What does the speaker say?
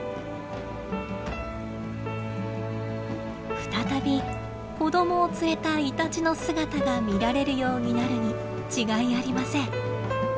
再び子供を連れたイタチの姿が見られるようになるに違いありません。